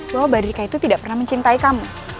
bahwa mbak drika itu tidak pernah mencintai kamu